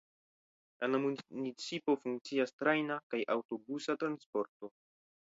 En la municipo funkcias trajna kaj aŭtobusa transporto.